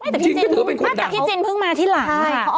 แต่พี่จินเพิ่งมาที่หลังค่ะ